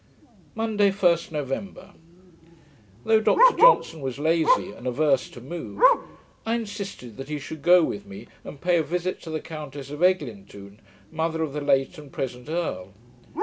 Monday, 1st November Though Dr Johnson was lazy, and averse to move, I insisted that he should go with me, and pay a visit to the Countess of Eglintoune, mother of the late and present earl.